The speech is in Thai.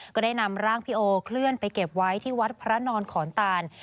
ก็ได้นำร่างพี่โอเคลื่อนไปเก็บไว้ที่วัดพระนอนขอนตาน